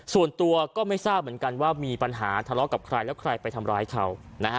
ส่วนตัวก็ไม่ทราบเหมือนกันว่ามีปัญหาทะเลาะกับใครแล้วใครไปทำร้ายเขา